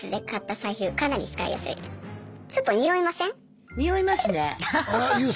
ちょっと匂いません？